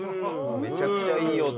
めちゃくちゃいい音。